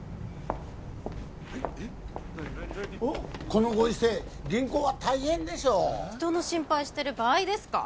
このご時世銀行は大変でしょう人の心配してる場合ですか？